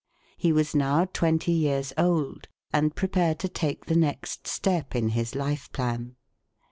He was now twenty years old, and prepared to take the next step in his life plan.